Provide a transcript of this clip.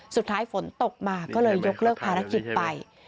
สุดท้ายฝนตกมาก็เลยยกเลิกภารกิจไป